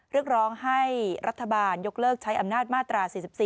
เรียกร้องให้รัฐบาลยกเลิกใช้อำนาจมาตรา๔๔